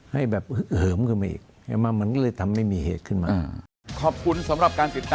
ให้แบบเหิมขึ้นมาอีก